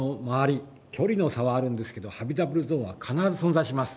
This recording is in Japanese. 距離の差はあるんですけどハビタブルゾーンは必ず存在します。